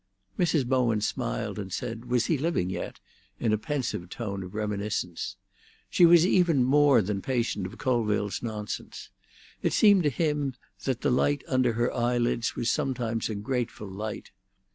Mrs. Bowen smiled, and said, Was he living yet? in a pensive tone of reminiscence. She was even more than patient of Colville's nonsense. It seemed to him that the light under her eyelids was sometimes a grateful light.